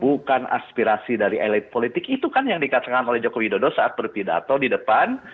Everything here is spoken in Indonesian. bukan aspirasi dari elit politik itu kan yang dikatakan oleh jokowi dodo saat berpidato di depan